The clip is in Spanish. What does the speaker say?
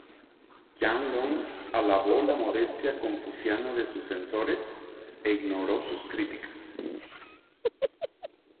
Qianlong alabó la modestia confuciana de sus censores, e ignoró sus críticas.